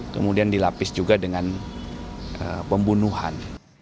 kemudian dilapis juga dengan pembunuhan